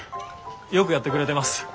よくやってくれてます。